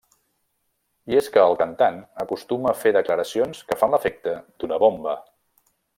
I és que el cantant acostuma a fer declaracions que fan l'efecte d'una bomba.